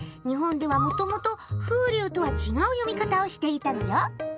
日本ではもともと「ふうりゅう」とは違う読み方をしていたのよ。